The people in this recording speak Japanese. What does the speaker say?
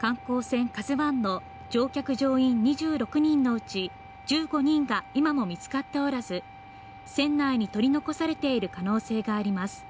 観光船「ＫＡＺＵⅠ」の乗客・乗員２６人のうち１５人が今も見つかっておらず船内に取り残されている可能性があります。